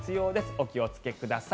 お気をつけください。